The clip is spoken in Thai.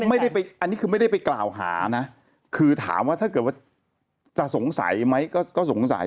อันนี้ก็ไม่ได้ไปกล่าวหานะคือถามว่าจะสงสัยไหมก็สงสัย